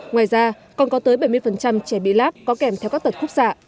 ngoài ra còn có tới bảy mươi trẻ bị lác có kèm theo các tật khúc xạ